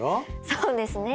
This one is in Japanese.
そうですね